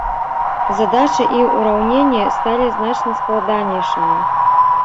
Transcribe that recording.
Задачы і ўраўненні сталі значна складанейшымі.